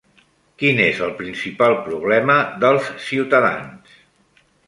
Quin és el principal problema dels ciutadans?